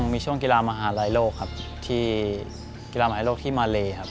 มีช่วงกีฬามหาลัยโลกครับที่กีฬาหมายโลกที่มาเลครับ